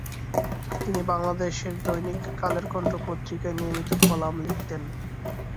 তিনি বাংলাদেশের "দৈনিক কালের কণ্ঠ" পত্রিকায় নিয়মিত কলাম লিখতেন।